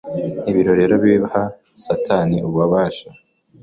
Ibi rero biha Satani ububasha